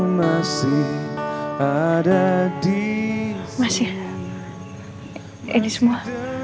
masih ini semua